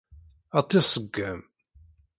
Ad tt-iṣeggem.